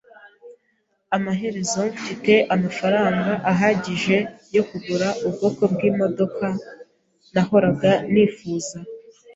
Amaherezo mfite amafaranga ahagije yo kugura ubwoko bwimodoka nahoraga nifuza.